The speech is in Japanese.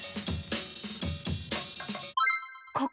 ここ！